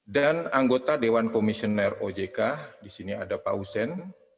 dan anggota dewan komisioner ojk disini ada pak hussein